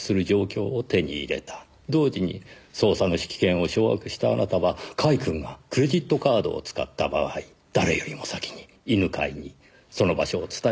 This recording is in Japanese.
同時に捜査の指揮権を掌握したあなたは甲斐くんがクレジットカードを使った場合誰よりも先に犬飼にその場所を伝える事が出来た。